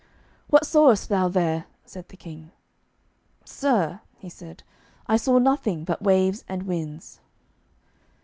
"What sawest thou there?" said the King. "Sir," he said, "I saw nothing but waves and winds."